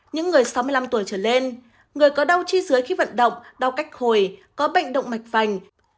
những người sáu mươi năm tuổi trở lên người có đau chi dưới khi vận động đau cách hồi có bệnh động mạch vành